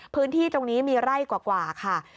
พื้นที่ตรงนี้มีไร่กว่าค่ะ